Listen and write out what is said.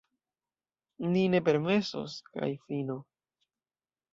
Ni ne permesos, kaj fino!